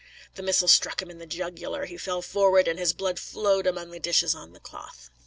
The missile struck him in the jugular; he fell forward, and his blood flowed among the dishes on the cloth.